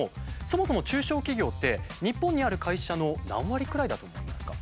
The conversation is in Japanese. そもそも中小企業って日本にある会社の何割くらいだと思いますか？